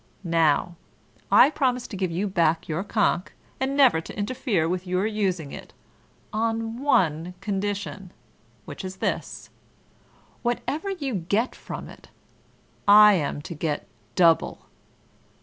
Now, I promise to give you back your conch, and never to interfere with your using it, on one condition, which is this whatever you get from it, I am to get double."